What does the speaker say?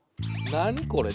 何これ？